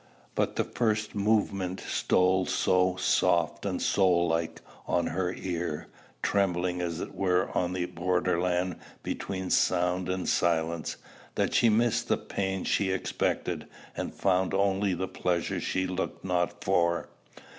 But the first movement stole so "soft and soullike" on her ear, trembling as it were on the border land between sound and silence, that she missed the pain she expected, and found only the pleasure she looked not for.